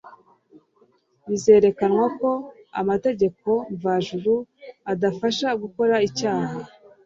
Bizerekanwa ko amategeko mvajuru adafasha gukora icyaha